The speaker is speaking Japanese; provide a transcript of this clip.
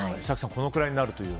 これくらいになるという。